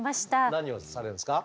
何をされるんですか？